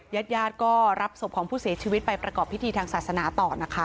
ญาติญาติก็รับศพของผู้เสียชีวิตไปประกอบพิธีทางศาสนาต่อนะคะ